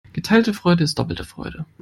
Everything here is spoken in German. Geteilte Freude ist doppelte Freude.